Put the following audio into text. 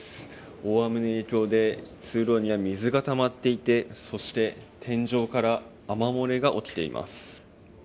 大雨の影響で通路には、水がたまっていてそして天井から雨漏りが起きています。